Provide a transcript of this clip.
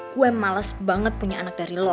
gue males banget punya anak dari lo